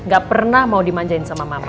gak pernah mau dimanjain sama mama